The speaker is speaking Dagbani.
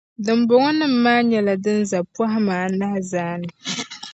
Dimbɔŋɔnim’ maa nyɛla din ʒe pɔhima anahi zaani.